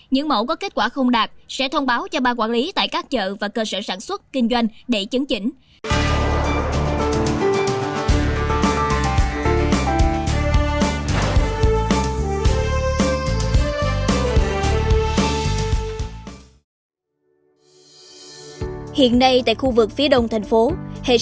những mẫu có kết quả không đạt sẽ thông báo cho ba quản lý tại các chợ và cơ sở sản xuất kinh doanh để chứng chỉnh